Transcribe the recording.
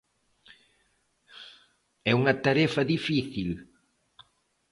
É unha tarefa difícil?